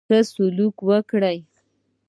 ښه سلوک وکړي.